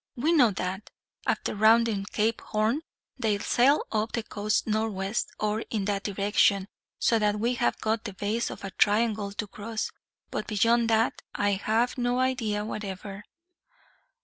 We know that, after rounding Cape Horn, they sail up the coast northwest, or in that direction, so that we have got the base of a triangle to cross; but beyond that, I have no idea whatever.